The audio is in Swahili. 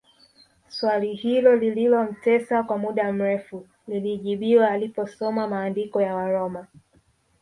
Swali hilo lililomtesa kwa muda mrefu lilijibiwa aliposoma maandiko ya Waroma